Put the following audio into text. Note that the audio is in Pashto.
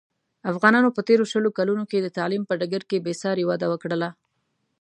افغانانو په تېرو شلو کلونوکې د تعلیم په ډګر کې بې ساري وده وکړله.